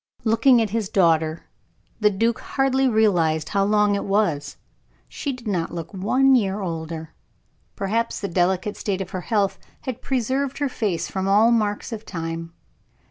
Looking at his daughter, the duke hardly realized how long it was she did not look one year older; perhaps the delicate state of her health had preserved her face from all marks of time.